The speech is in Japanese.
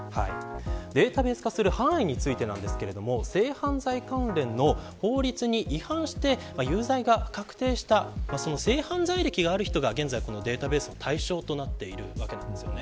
データベース化する範囲についてなんですが性犯罪関連の法律に違反して有罪が確定した性犯罪歴がある人が現在データベースの対象となっているようです。